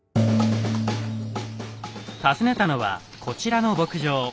訪ねたのはこちらの牧場。